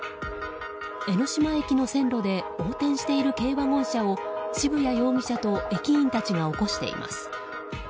江ノ島駅の線路で横転している軽ワゴン車を渋谷容疑者と駅員たちが起こしています。